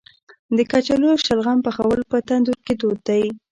د کچالو او شلغم پخول په تندور کې دود دی.